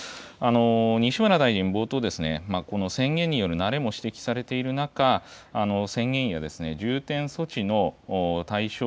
西村大臣、冒頭、この宣言による慣れも指摘されている中、宣言や重点措置の対象